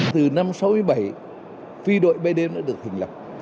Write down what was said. từ năm một nghìn chín trăm sáu mươi bảy phi đội bay đêm đã được hình lập